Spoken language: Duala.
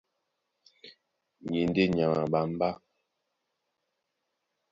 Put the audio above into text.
Ni e ndé nyama a mbamba.